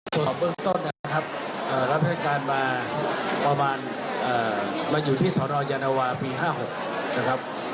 ตรวจเบื้องต้นนะครับรับราชการมาประมาณมาอยู่ที่สนยานวาปี๕๖นะครับ